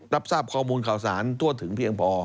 รับทราบข้อมูลข่าวสารทั่วถึงเพียงพอ